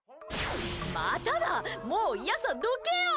まただ、もうどけよ！